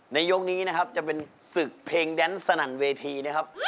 ยกนี้นะครับจะเป็นศึกเพลงแดนสนั่นเวทีนะครับ